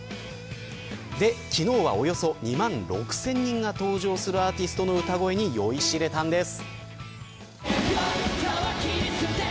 昨日はおよそ２万６０００人が登場するアーティストの歌声に酔いしれたんです。